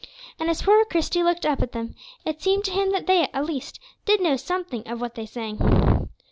And as poor Christie looked up at them, it seemed to him that they, at least, did know something of what they sang.